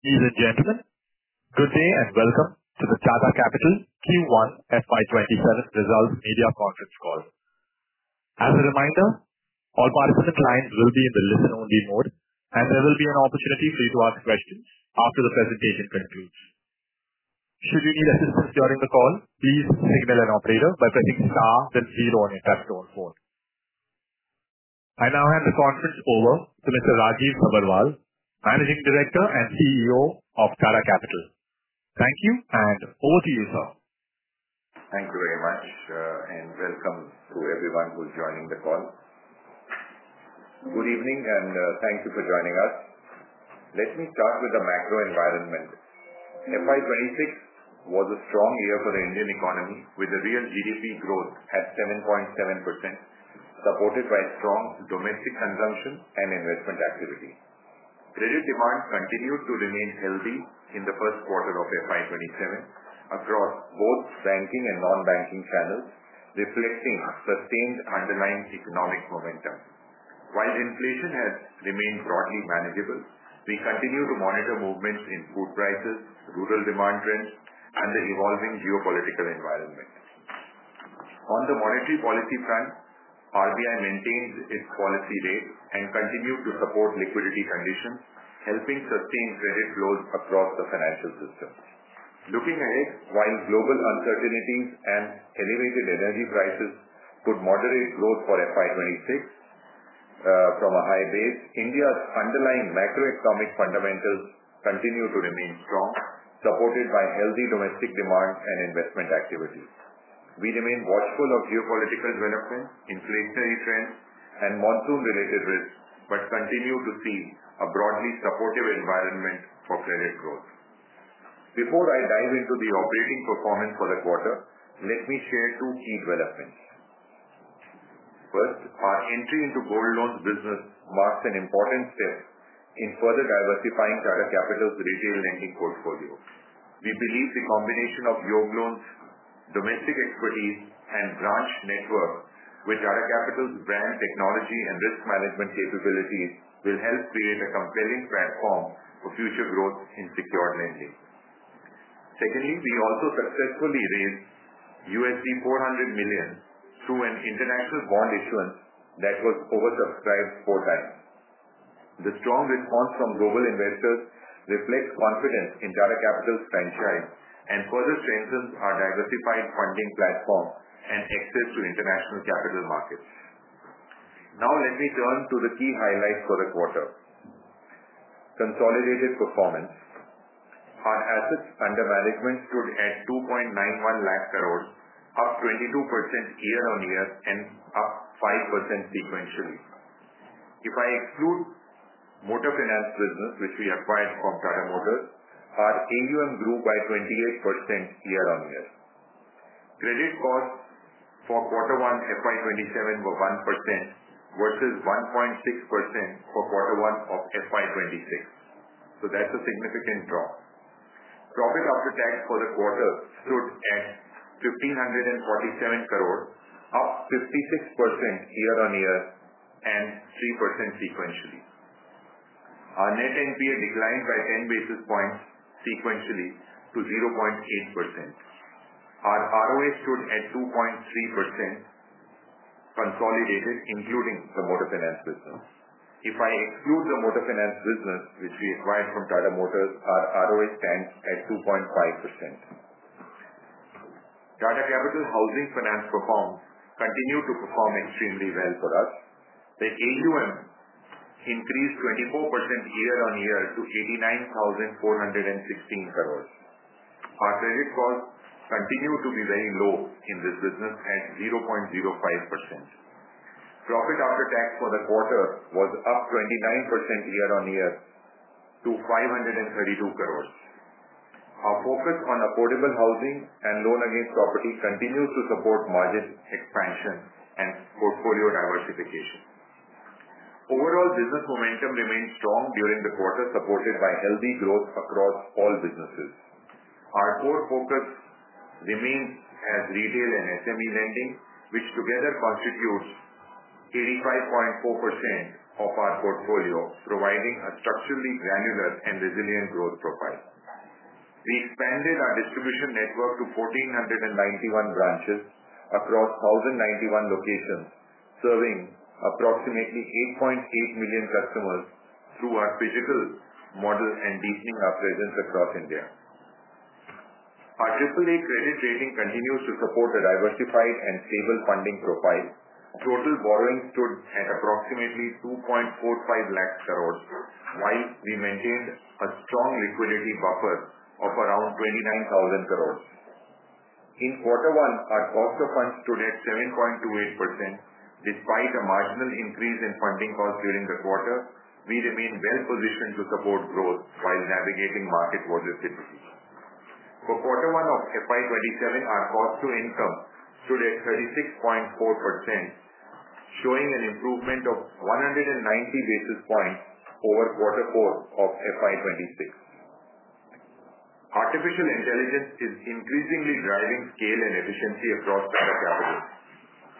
Ladies and gentlemen, good day. Welcome to the Tata Capital Q1 FY 2027 Results Media Conference Call. As a reminder, all participant lines will be in the listen-only mode. There will be an opportunity for you to ask questions after the presentation concludes. Should you need assistance during the call, please signal an operator by pressing star then zero on your touch-tone phone. I now hand the conference over to Mr. Rajiv Sabharwal, managing director and CEO of Tata Capital. Thank you. Over to you, sir. Thank you very much. Welcome to everyone who's joining the call. Good evening. Thank you for joining us. Let me start with the macro environment. FY 2026 was a strong year for the Indian economy, with the real GDP growth at 7.7%, supported by strong domestic consumption and investment activity. Credit demand continued to remain healthy in the first quarter of FY 2027 across both banking and non-banking channels, reflecting a sustained underlying economic momentum. While inflation has remained broadly manageable, we continue to monitor movements in food prices, rural demand trends, and the evolving geopolitical environment. On the monetary policy front, RBI maintains its policy rate and continues to support liquidity conditions, helping sustain credit growth across the financial system. Looking ahead, while global uncertainties and elevated energy prices could moderate growth for FY 2026 from a high base, India's underlying macroeconomic fundamentals continue to remain strong, supported by healthy domestic demand and investment activity. We remain watchful of geopolitical developments, inflationary trends, and monsoon-related risks. We continue to see a broadly supportive environment for credit growth. Before I dive into the operating performance for the quarter, let me share two key developments. First, our entry into the gold loan business marks an important step in further diversifying Tata Capital's retail lending portfolio. We believe the combination of Yog Loans' domestic expertise and branch network with Tata Capital's brand technology and risk management capabilities will help create a compelling platform for future growth in secured lending. Secondly, we also successfully raised $400 million through an international bond issuance that was oversubscribed four times. The strong response from global investors reflects confidence in Tata Capital's franchise and further strengthens our diversified funding platform and access to international capital markets. Now let me turn to the key highlights for the quarter. Consolidated performance. Our assets under management stood at 291,000 crore, up 22% year-over-year and up 5% sequentially. If I exclude motor finance business, which we acquired from Tata Motors, our AUM grew by 28% year-over-year. Credit costs for Q1 FY 2027 were 1% versus 1.6% for Q1 FY 2026. That's a significant drop. Profit after tax for the quarter stood at 1,547 crore, up 56% year-over-year and 3% sequentially. Our net NPA declined by 10 basis points sequentially to 0.8%. Our ROA stood at 2.3% consolidated, including the motor finance business. If I exclude the motor finance business, which we acquired from Tata Motors, our ROA stands at 2.5%. Tata Capital Housing Finance continued to perform extremely well for us. Their AUM increased 24% year-on-year to INR 89,416 crores. Our credit costs continue to be very low in this business at 0.05%. Profit after tax for the quarter was up 29% year-on-year to 532 crores. Our focus on affordable housing and loans against property continues to support margin expansion and portfolio diversification. Overall business momentum remained strong during the quarter, supported by healthy growth across all businesses. Our core focus remains retail and SME lending, which together constitute 85.4% of our portfolio, providing a structurally granular and resilient growth profile. We expanded our distribution network to 1,491 branches across 1,091 locations, serving approximately 8.8 million customers through our physical model and deepening our presence across India. Our AAA credit rating continues to support a diversified and stable funding profile. Total borrowings stood at approximately 245,000 crores, while we maintained a strong liquidity buffer of around 29,000 crores. In quarter one, our cost of funds stood at 7.28%. Despite a marginal increase in funding costs during the quarter, we remain well positioned to support growth while navigating market volatility. For quarter one of FY 2027, our cost to income stood at 36.4%, showing an improvement of 190 basis points over quarter four of FY 2026. Artificial intelligence is increasingly driving scale and efficiency across Tata Capital.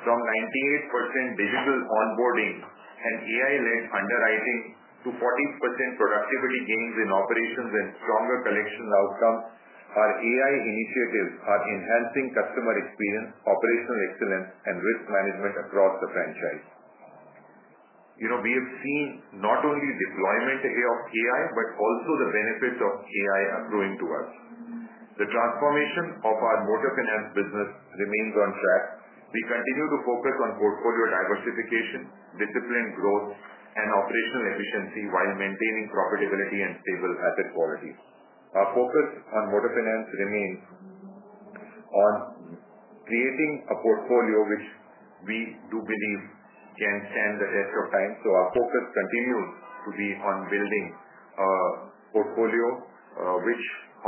From 98% digital onboarding and AI-led underwriting to 40% productivity gains in operations and stronger collection outcomes, our AI initiatives are enhancing customer experience, operational excellence, and risk management across the franchise. We have seen not only the deployment of AI but also the benefits of AI accruing to us. The transformation of our motor finance business remains on track. We continue to focus on portfolio diversification, disciplined growth, and operational efficiency while maintaining profitability and stable asset quality. Our focus on motor finance remains on creating a portfolio that we do believe can stand the test of time. So our focus continues to be on building a portfolio that,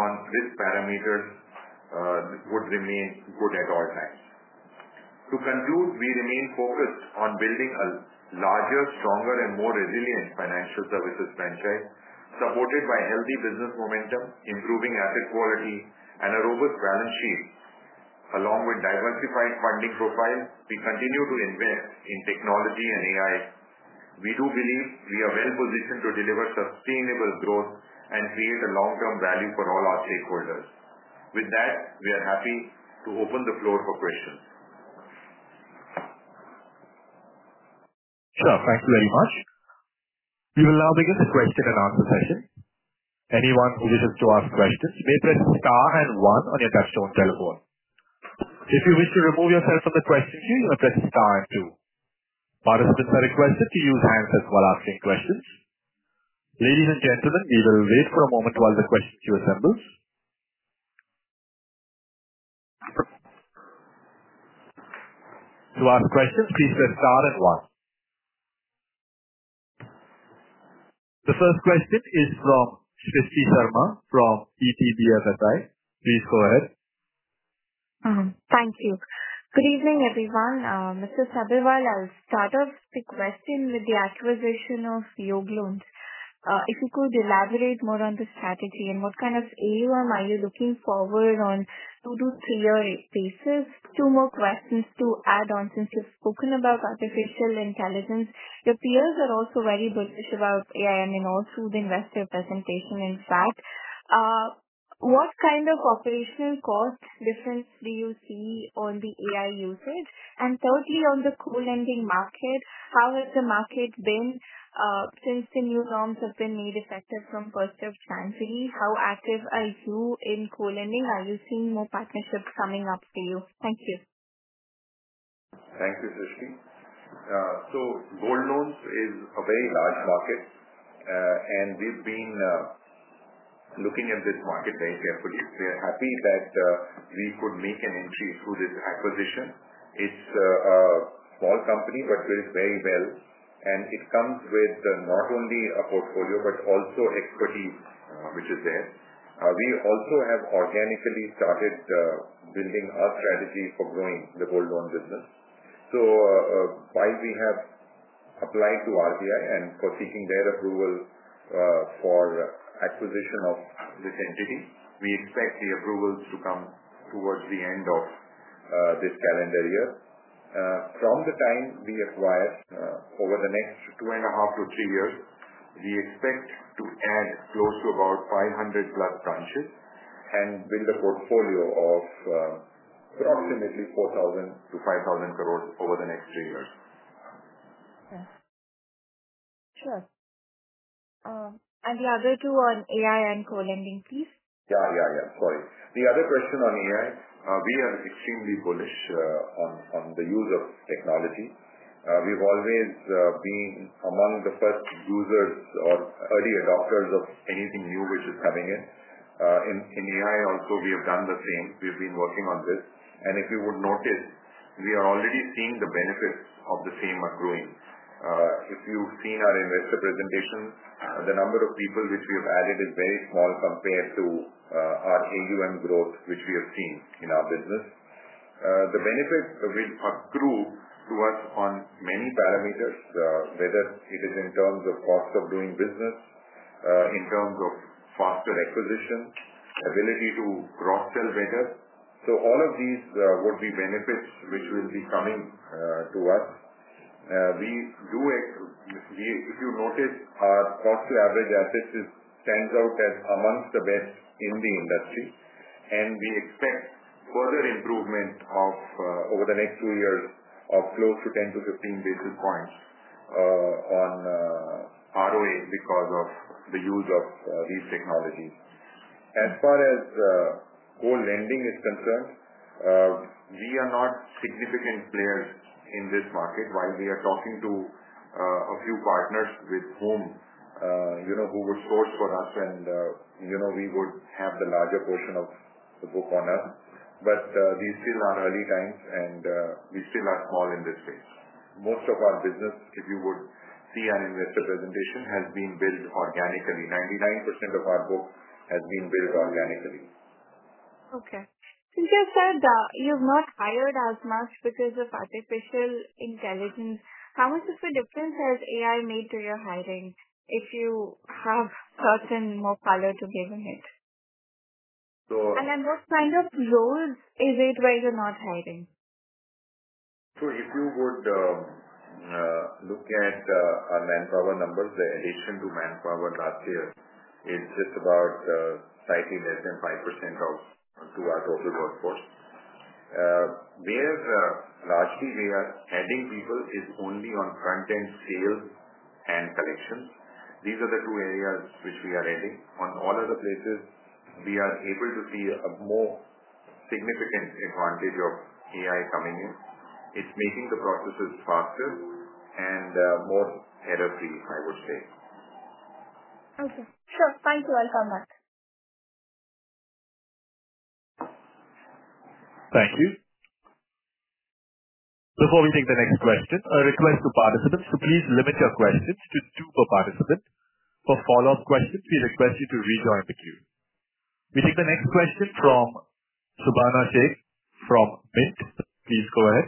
on this parameter, would remain good at all times. To conclude, we remain focused on building a larger, stronger, and more resilient financial services franchise supported by healthy business momentum, improving asset quality, and a robust balance sheet. Along with a diversified funding profile, we continue to invest in technology and AI. We do believe we are well-positioned to deliver sustainable growth and create long-term value for all our shareholders. With that, we are happy to open the floor for questions. Sure. Thank you very much. We will now begin the question-and-answer session. Anyone who wishes to ask questions may press star one on your touch-tone telephone. If you wish to remove yourself from the question queue, press star two. Participants are requested to use handsets while asking questions. Ladies and gentlemen, we will wait for a moment while the question queue assembles. To ask questions, please press star one. The first question is from Shrishti Sharma from ETBFSI. Please go ahead. Thank you. Good evening, everyone. Mr. Sabharwal, I'll start off the question with the acquisition of Yog Loans. If you could elaborate more on the strategy and what kind of AUM you are looking forward to on a two- to three-year basis. Two more questions to add on. Since you've spoken about artificial intelligence, your peers are also very bullish about AI and then also the investor presentation, in fact. What kind of operational cost difference do you see in the AI usage? Thirdly, on the co-lending market, how has the market been since the new norms have been made effective from the 1st of January? How active are you in co-lending? Are you seeing more partnerships coming up for you? Thank you. Thank you, Shrishti. Yog loans are a very large market, and we've been looking at this market very carefully. We are happy that we could make an entry through this acquisition. It's a small company, but it is very good, and it comes with not only a portfolio but also expertise, which is there. We also have organically started building our strategy for growing the Yog loans business. While we have applied to RBI and are seeking their approval for acquisition of this entity, we expect the approvals to come towards the end of this calendar year. From the time we acquire, over the next two and a half to three years, we expect to add close to about +500 branches and build a portfolio of approximately 4,000 crores-5,000 crores over the next three years. Sure. The other two on AI and co-lending, please. Yeah. Sorry. The other question on AI: we are extremely bullish on the use of technology. We've always been among the first users or early adopters of anything new which is coming in. In AI also, we have done the same. We've been working on this. If you would notice, we are already seeing the benefits of the same, which are growing. If you've seen our investor presentation, the number of people whom we have added is very small compared to our AUM growth, which we have seen in our business. The benefits, which accrue to us on many parameters, whether it is in terms of cost of doing business, in terms of faster acquisition, or ability to cross-sell better. All of these would be benefits that will be coming to us. If you notice, our cost to average assets stands out as amongst the best in the industry; we expect further improvement over the next two years of close to 10 to 15 basis points on ROA because of the use of these technologies. As far as co-lending is concerned, we are not significant players in this market. While we are talking to a few partners with whom we would source for us, and we would have the larger portion of the book on us. These still are early times, and we still are small in this space. Most of our business, if you were to see our investor presentation, has been built organically. 99% of our book has been built organically. Okay. Since you have said you have not hired as much because of artificial intelligence, how much of a difference has AI made to your hiring if you have certain manpower to give to it? In what kind of roles is it that you're not hiring? If you would look at our manpower numbers, the addition to manpower last year is just about slightly less than 5% of our total workforce. Where largely we are adding people is only in front-end sales and collections. These are the two areas that we are adding. On all other places, we are able to see a more significant advantage of AI coming in. It's making the processes faster and more error-free, I would say. Okay, sure. Thank you. I found that. Thank you. Before we take the next question, a request to participants: please limit your questions to two per participant. For follow-up questions, we request you to rejoin the queue. We take the next question from Subhana Shaikh from Mint. Please go ahead.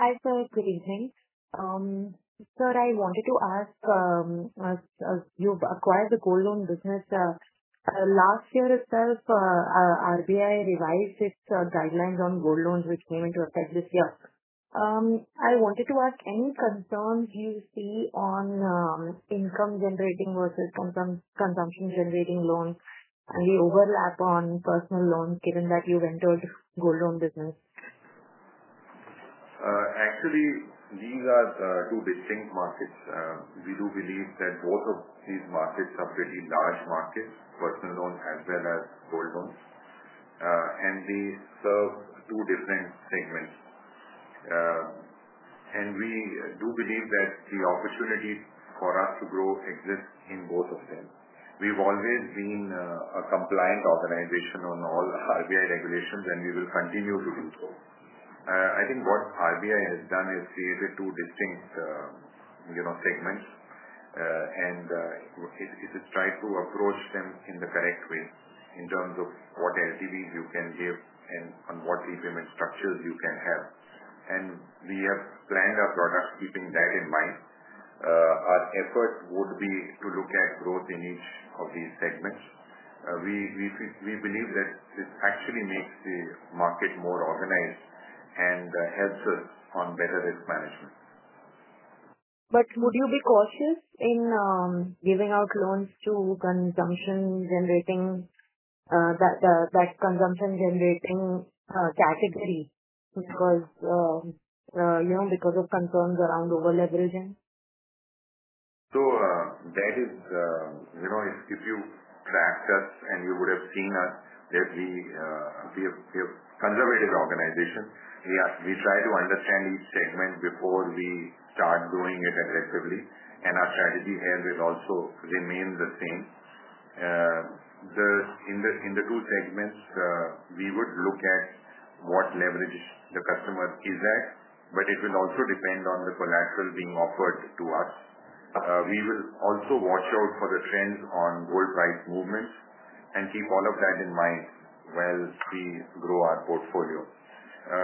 Hi, sir. Good evening. Sir, I wanted to ask, as you've acquired the gold loan business, last year itself, the RBI revised its guidelines on gold loans, which came into effect this year. I wanted to ask, do you have any concerns you see on income-generating versus consumption-generating loans and the overlap on personal loans, given that you've entered the gold loan business? Actually, these are two distinct markets. We do believe that both of these markets are pretty large markets, personal loans as well as gold loans, and they serve two different segments. We do believe that the opportunity for us to grow exists in both of them. We've always been a compliant organization on all RBI regulations, and we will continue to do so. I think what RBI has done is created two distinct segments. It is trying to approach them in the correct way in terms of what LTVs you can give and on what repayment structures you can have. We have planned our products keeping that in mind. Our effort would be to look at growth in each of these segments. We believe that this actually makes the market more organized and helps us with better risk management. Would you be cautious in giving out loans to that consumption-generating category because of concerns around over-leveraging? If you had tracked us, you would have seen us, that we're a conservative organization. We try to understand each segment before we start growing it aggressively, and our strategy here will also remain the same. In the two segments, we would look at what leverage the customer is at, but it will also depend on the collateral being offered to us. We will also watch out for the trends on worldwide movements and keep all of that in mind while we grow our portfolio.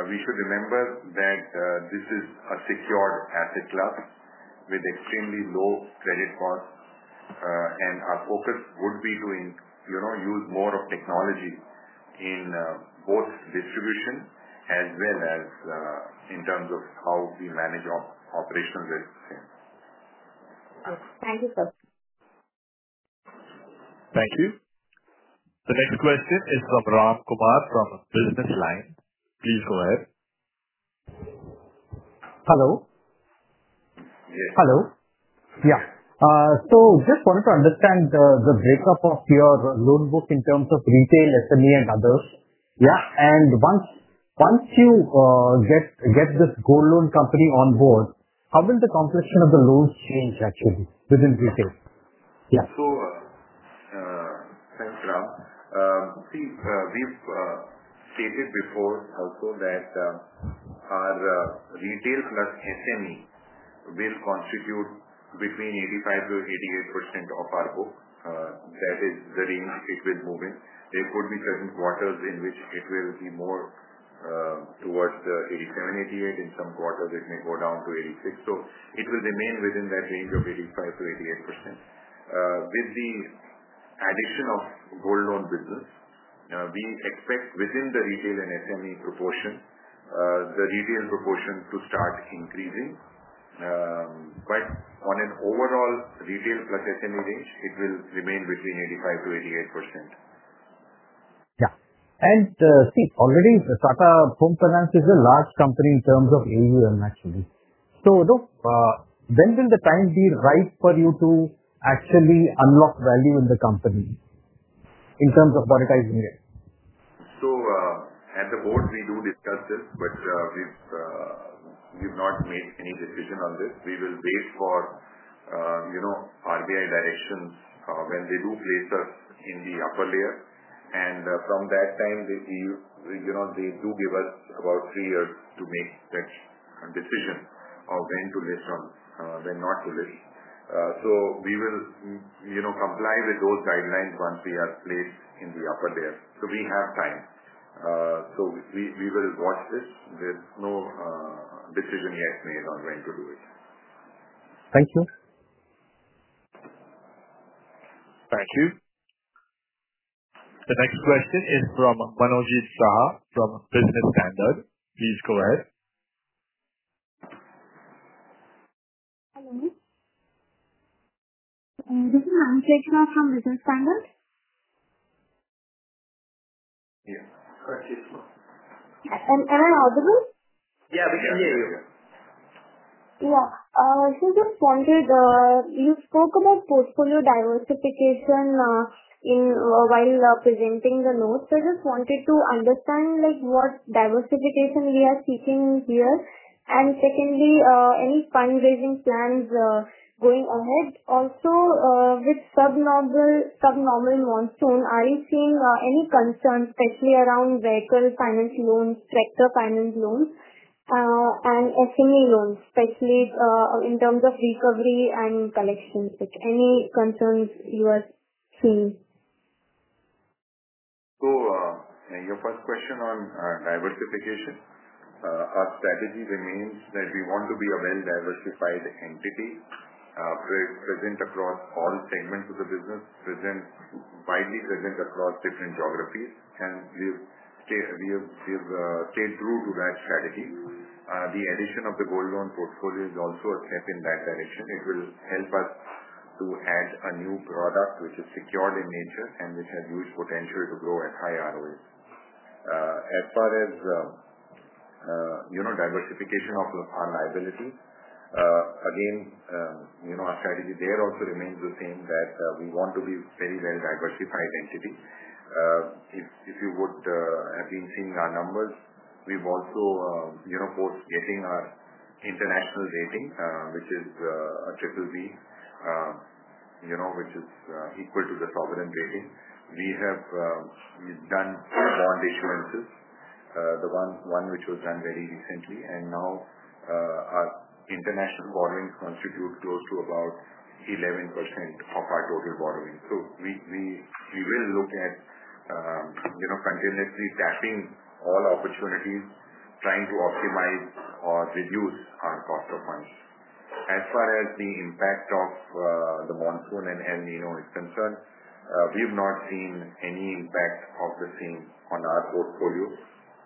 We should remember that this is a secured asset class with extremely low credit cost. Our focus would be to use moretechnology in both distribution and in terms of how we manage our operational risk. Okay. Thank you, sir. Thank you. The next question is from Ram Kumar from Business Line. Please go ahead. Hello? Hello. Just wanted to understand the breakup of your loan book in terms of retail, SME, and others. Once you get this gold loan company on board, how will the complexion of the loans change, actually, within retail? Thanks, Ram. We've stated before also that our retail plus SME will constitute between 85% and 88% of our book. That is the range it will move in. There could be certain quarters in which it will be more towards 87%, 88%. In some quarters, it may go down to 86%. It will remain within that range of 85%-88%. With the addition of gold loan business, we expect within the retail and SME proportion, the retail proportion to start increasing. On an overall retail plus SME range, it will remain between 85%-88%. Already Tata Capital Housing Finance is a large company in terms of AUM, actually. When will the time be right for you to actually unlock value in the company in terms of monetizing it? At the board, we do discuss this, but we've not made any decision on this. We will wait for RBI directions when they do place us in the upper layer. From that time, they do give us about three years to make such a decision of when to list or when not to list. We will comply with those guidelines once we are placed in the upper tier. We have time. We will watch this. There's no decision yet made on when to do it. Thank you. Thank you. The next question is from Manojit Saha from Business Standard. Please go ahead. Hello. This is Ankita Shah from Business Standard. Yeah. Go ahead, please. Am I audible? Yeah, we can hear you. You spoke about portfolio diversification while presenting the notes. I just wanted to understand what diversification we are seeking here and, secondly, any fundraising plans going ahead. Also, with subnormal monsoons, are you seeing any concerns, especially around vehicle finance loans, tractor finance loans, and SME loans, especially in terms of recovery and collections? Any concerns you are seeing? Your first question on diversification. Our strategy remains that we want to be a well-diversified entity, widely present across different geographies, and we've stayed true to that strategy. The addition of the gold loan portfolio is also a step in that direction. It will help us to add a new product that is secured in nature and that has huge potential to grow at a high ROA. As far as diversification of our liability. Again, our strategy there also remains the same: we want to be a very well-diversified entity. If you would have been seeing our numbers, we've also posted getting our international rating, which is triple B, which is equal to the sovereign rating. We've done bond issuances, the one which was done very recently, and now our international borrowings constitute close to about 11% of our total borrowings. We will look at continuously tapping all opportunities, trying to optimize or reduce our cost of funds. As far as the impact of the monsoon and El Niño is concerned, we've not seen any impact of the same on our portfolios.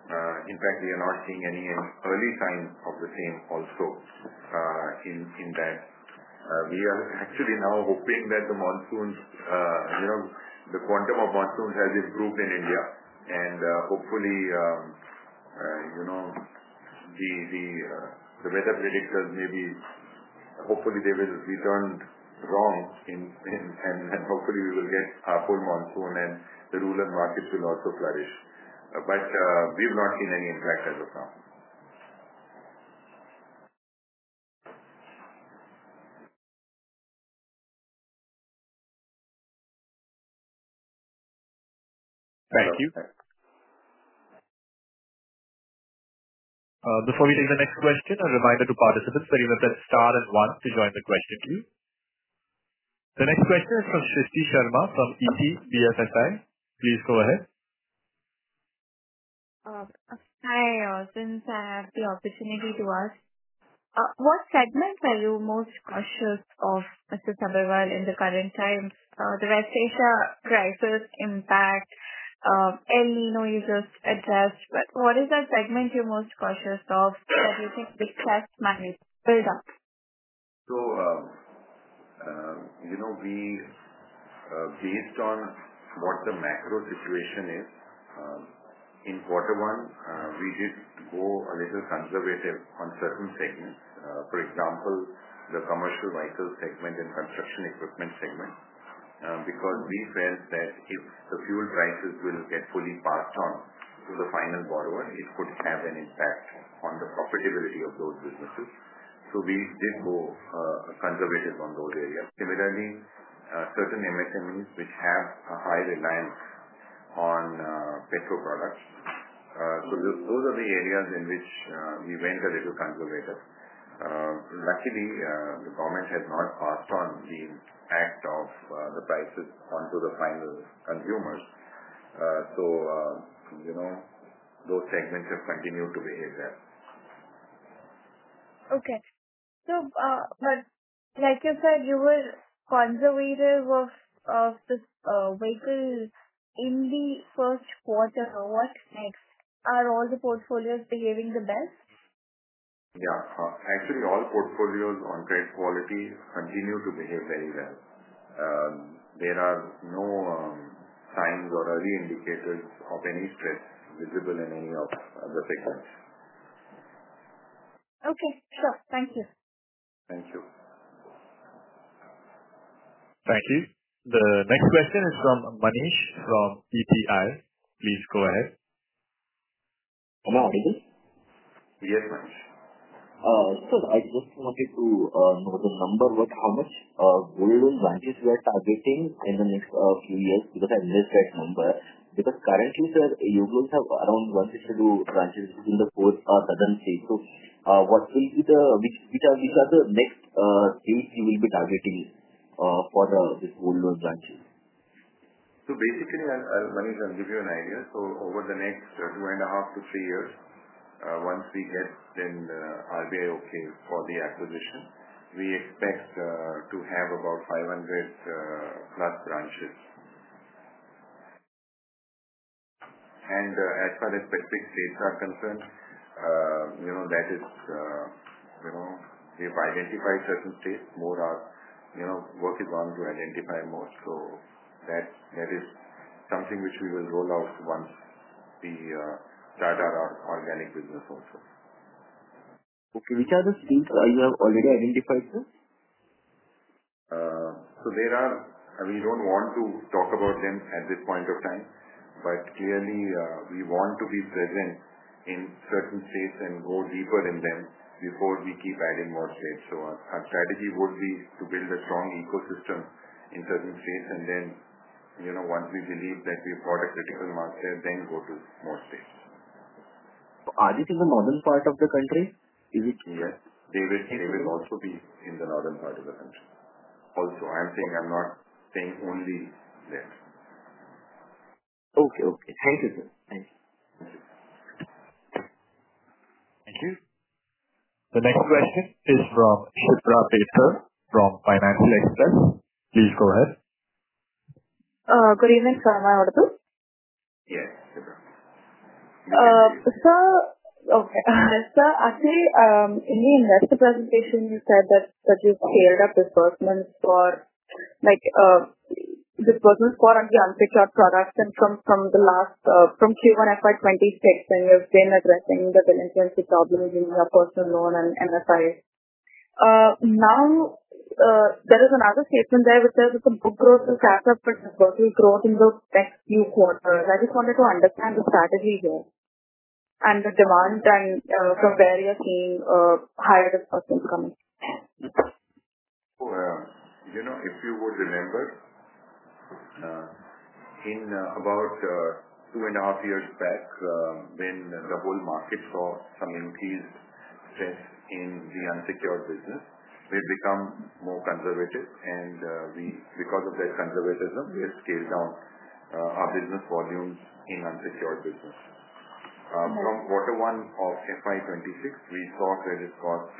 In fact, we are not seeing any early signs of the same also in that. We are actually now hoping that the quantum of monsoons has improved in India, and hopefully the weather predictors—hopefully they will be turned wrong, and hopefully we will get a full monsoon and the rural markets will also flourish. We've not seen any impact as of now. Thank you. Before we take the next question, a reminder to participants that you can press star one to join the question queue. The next question is from Shrishti Sharma from ETBFSI. Please go ahead. Hi. Since I have the opportunity to ask. What segments are you most cautious of, Mr. Sabharwal, in the current times? The retail crisis impact, El Niño, you just addressed—what is that segment you're most cautious of that you think the best managed build-up? Based on what the macro situation is, in quarter one, we did go a little conservative on certain segments. For example, the commercial vehicle segment and construction equipment segment, because we felt that if the fuel crisis were to get fully passed on to the final borrower, it could have an impact on the profitability of those businesses. We did go conservative in those areas. Similarly, certain MSMEs have a high reliance on petroleum products. Those are the areas in which we went a little conservative. Luckily, the government has not passed on the impact of the prices onto the final consumers. Those segments have continued to behave well. Okay. Like you said, you were conservative with this vehicle in the first quarter. What next? Are all the portfolios behaving the best? Yeah. Actually, all portfolios on credit quality continue to behave very well. There are no signs or early indicators of any stress visible in any of the segments. Okay, sure. Thank you. Thank you. Thank you. The next question is from Manish from PTI. Please go ahead. Am I audible? Yes, Manish. Sir, I just wanted to know the number. How many gold loan branches are you targeting in the next few years? I missed that number. Currently, sir, you guys have around 152 branches within the four dozen states. Which are the next states you will be targeting for these gold loan branches? Basically, Manish, I'll give you an idea. Over the next two and a half to three years, once we get the RBI okay for the acquisition, we expect to have about +500 branches. As far as specific states are concerned, we have identified certain states. Work is going on to identify more. That is something which we will roll out once we start our organic business also. Okay. Which are the states you have already identified, sir? We don't want to talk about them at this point in time, but clearly, we want to be present in certain states and go deeper in them before we keep adding more states. Our strategy would be to build a strong ecosystem in certain states and then, once we believe that we've got a critical mass there, go to more states. Are these in the northern part of the country? Yes. They will also be in the northern part of the country. I'm saying I'm not saying only that. Okay. Thank you, sir. Thank you. The next question is from Shubhra Tandon, from Financial Express. Please go ahead. Good evening, sir. Am I audible? Yes. Sir. Okay. Sir, actually, in the investor presentation, you said that you scaled up disbursements for unsecured products from Q1 FY 2026, when you have been addressing the delinquency problem in your personal loans and MFIs. There is another statement there which says there's some book growth to catch up with the growth in the next few quarters. I just wanted to understand the strategy here and the demand and from where you are seeing higher disbursements coming. If you would remember, about two and a half years back, when the whole market saw some increased stress in the unsecured business, we became more conservative, and because of that conservatism, we have scaled down our business volumes in unsecured business. From quarter one of FY 2026, we saw credit costs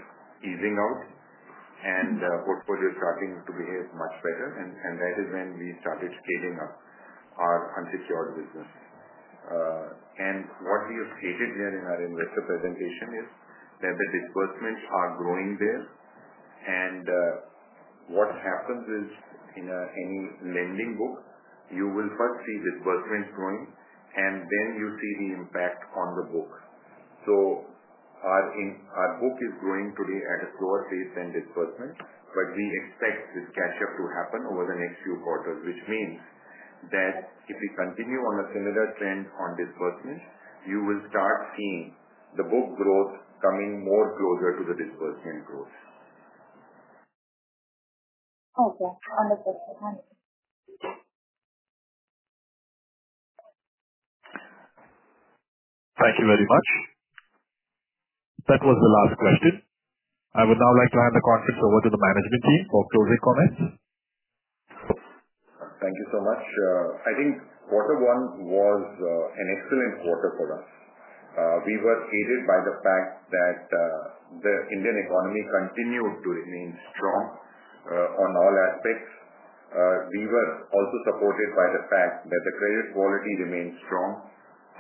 easing out and the portfolio starting to behave much better, and that is when we started scaling up our unsecured business. What we have stated there in our investor presentation is that the disbursements are growing there. What happens is in any lending book, you will first see disbursements growing, and then you will see the impact on the books. Our book is growing today at a slower pace than disbursement, but we expect this catch-up to happen over the next few quarters, which means that if we continue on a similar trend in disbursement, you will start seeing the book growth coming closer to the disbursement growth. Okay. Understood. Thank you. Thank you very much. That was the last question. I would now like to hand the conference over to the management team for closing comments. Thank you so much. I think quarter one was an excellent quarter for us. We were aided by the fact that the Indian economy continued to remain strong on all aspects. We were also supported by the fact that the credit quality remains strong.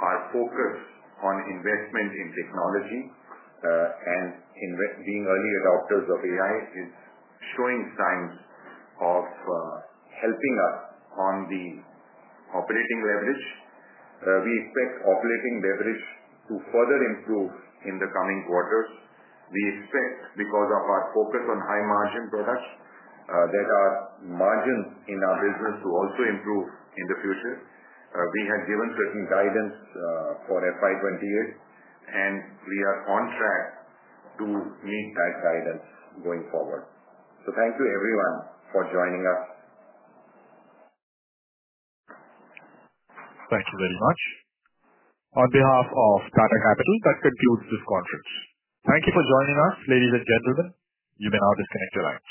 Our focus on investment in technology and being early adopters of AI is showing signs of helping us with the operating leverage. We expect operating leverage to further improve in the coming quarters. We expect, because of our focus on high-margin products, that our margins in our business will also improve in the future. We have given certain guidance for FY 2028, and we are on track to meet that guidance going forward. Thank you, everyone, for joining us. Thank you very much. On behalf of Tata Capital, that concludes this conference. Thank you for joining us, ladies and gentlemen. You may now disconnect your lines.